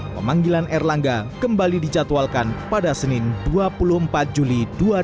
pemanggilan erlangga kembali dicatwalkan pada senin dua puluh empat juli dua ribu dua puluh